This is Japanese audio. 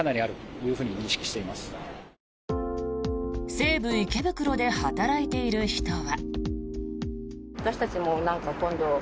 西武池袋で働いている人は。